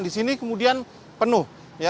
di sini kemudian penuh